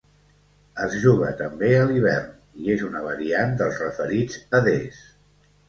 Es juga també a l’hivern i és una variant dels referits adés.